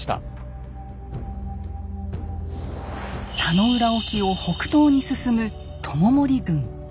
田野浦沖を北東に進む知盛軍。